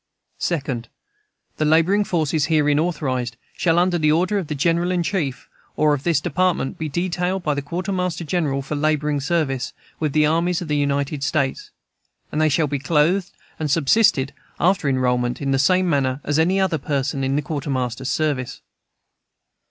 2d. The laboring forces herein authorized shall, under the order of the General in Chief, or of this Department, be detailed by the Quartermaster General for laboring service with the armies of the United States; and they shall be clothed and subsisted, after enrolment, in the same manner as other persons in the Quartermaster's service.